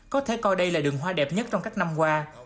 có thể coi đây là đường hoa đẹp nhất trong các năm qua